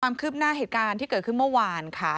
ความคืบหน้าเหตุการณ์ที่เกิดขึ้นเมื่อวานค่ะ